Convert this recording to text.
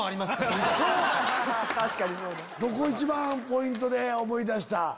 どこ一番ポイントで思い出した？